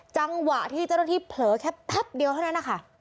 จังหวะที่เจ้าหน้าที่เผลอแค่แป๊บเดียวเท่านั้นนะคะ